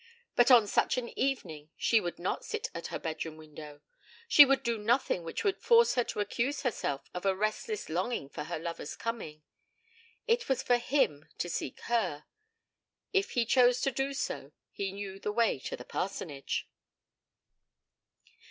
But on such an evening she would not sit at her bedroom window; she would do nothing which would force her to accuse herself of a restless longing for her lover's coming. It was for him to seek her. If he chose to do so, he knew the way to the parsonage.